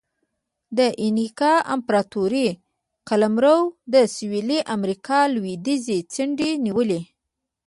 د اینکا امپراتورۍ قلمرو د سویلي امریکا لوېدیځې څنډې نیولې.